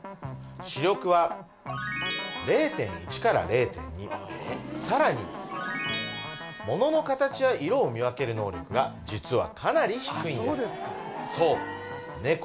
視力は０．１から０．２さらにものの形や色を見分ける能力が実はかなり低いんです